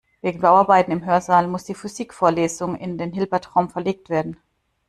Wegen Bauarbeiten im Hörsaal muss die Physikvorlesung in den Hilbertraum verlegt werden.